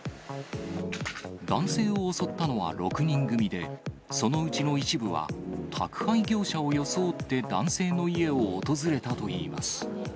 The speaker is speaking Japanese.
男性を襲ったのは６人組で、そのうちの一部は宅配業者を装って男性の家を訪れたといいます。